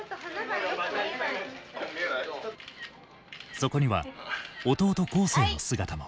そこには弟恒成の姿も。